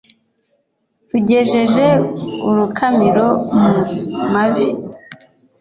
Rugejeje urukamiro mu mavi